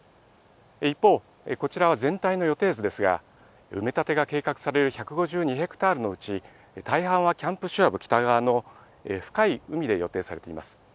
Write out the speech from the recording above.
一方、こちらは全体の予定図ですが、埋め立てが計画される１５２ヘクタールのうち、大半はキャンプ・シュワブ北側の深い海で予定されています。